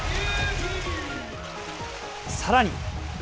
さらに。